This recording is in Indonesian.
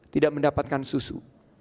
tidak mendapatkan susu